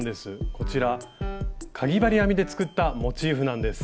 こちらかぎ針編みで作ったモチーフなんです。